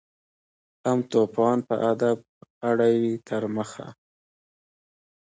هم توپان په ادب اړوي تر مخه